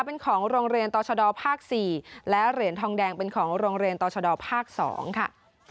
เป็นของโรงเรียนต่อชะดอภาค๔และเหรียญทองแดงเป็นของโรงเรียนต่อชะดอภาค๒ค่ะ